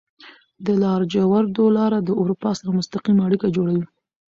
د لاجوردو لاره د اروپا سره مستقیمه اړیکه جوړوي.